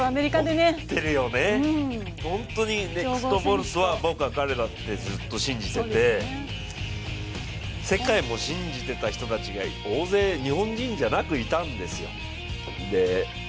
持ってるよね、本当にネクスト・ボルトは彼だってずっと信じてて世界も信じてた人たちが大勢、日本人じゃなくいたんですよ。